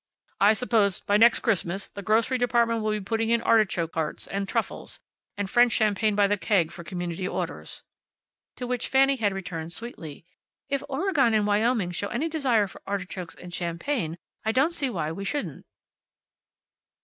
I suppose by next Christmas the grocery department will be putting in artichoke hearts, and truffles and French champagne by the keg for community orders." To which Fanny had returned, sweetly, "If Oregon and Wyoming show any desire for artichokes and champagne I don't see why we shouldn't."